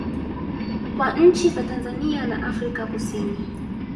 kwa nchi za Tanzania na Afrika kusini